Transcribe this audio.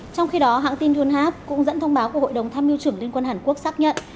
trong khi đó hãng tin junhap cũng dẫn thông báo của hội đồng tham mưu trưởng liên quân hàn quốc xác nhận